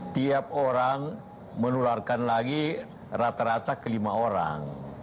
tiap orang menularkan lagi rata rata ke lima orang